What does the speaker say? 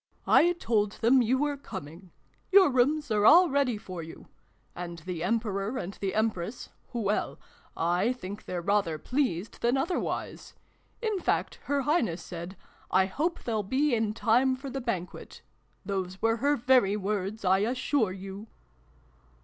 " I told them you were coming. Your rooms are all ready for you. And the Emperor and the Empress well, I think they're rather pleased than otherwise ! In fact, Her Highness said ' I hope they'll be in time for the Banquet !'. Those were her very words, I assure you